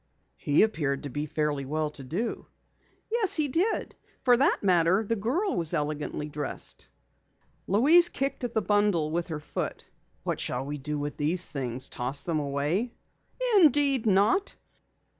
"He appeared to be fairly well to do." "Yes, he did. For that matter, the girl was elegantly dressed." Louise kicked at the bundle with her foot. "What shall we do with these things? Toss them away?" "Indeed, not!"